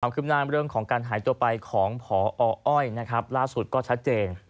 ความคิบนั้นเรื่องของการหายตัวไปของพออ้อยล่าสุดที่ชัดเจน